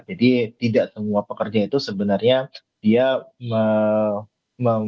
jadi tidak semua pekerja itu sebenarnya dia mem